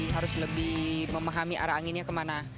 harus lebih memahami arah anginnya kemana